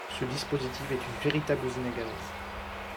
Ce dispositif est une véritable usine à gaz